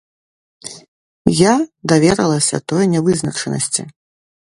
Я даверылася той нявызначанасці.